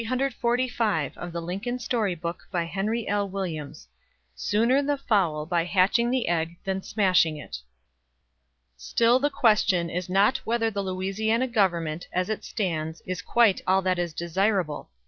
They went home, and they raised and sent those men! "SOONER THE FOWL BY HATCHING THE EGG THAN SMASHING IT." "Still the question is not whether the Louisiana Government, as it stands, is quite all that is desirable.